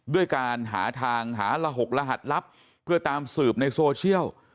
ด้วยการหาทางหาระหกรหัสลับเพื่อตามสืบในโซเชียล